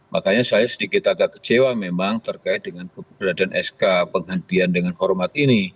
makanya saya sedikit agak kecewa memang terkait dengan keberadaan sk penghentian dengan hormat ini